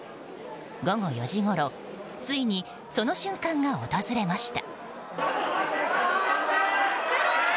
午後４時ごろついにその瞬間が訪れました。